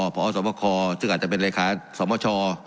พอสวบคลอซึ่งอาจจะเป็นรายค้าสวบคลอช่อ